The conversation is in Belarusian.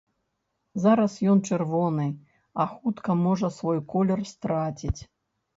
Зараз ён чырвоны, а хутка можа свой колер страціць.